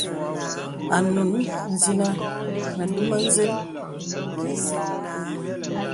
Anùn zìnə nə dùmə̄ nzə̀n.